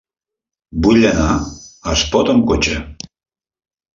Vull anar a Espot amb cotxe.